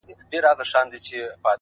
پوه انسان د پوښتنې اهمیت درک کوي!